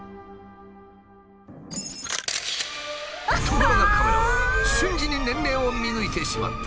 ところがカメラは瞬時に年齢を見抜いてしまった。